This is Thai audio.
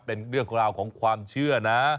เป็นเรื่องราวของความเชื่อนะ